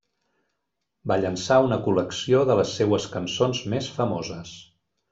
Va llançar una col·lecció de les seues cançons més famoses.